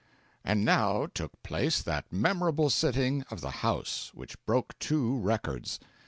And now took place that memorable sitting of the House which broke two records.